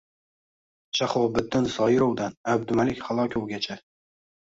Shahobiddin Zoirovdan Abdumalik Halokovgacha